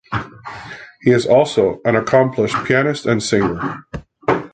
He is also an accomplished pianist and singer.